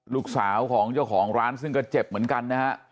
ลูกสาวของเจ้าของร้านซึ่งก็เจ็บเหมือนกันนะฮะ